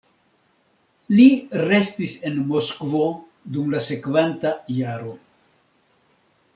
Li restis en Moskvo dum la sekvanta jaro.